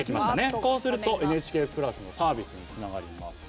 こうするとＮＨＫプラスのサービスにつながります。